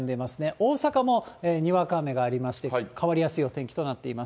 大阪もにわか雨がありまして、変わりやすいお天気となっています。